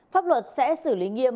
pháp luật sẽ xử lý nghiêm